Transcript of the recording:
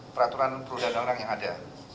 peraturan perundangan perundangan yang ada